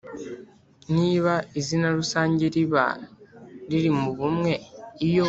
niba izina rusange riba riri mu bumwe iyo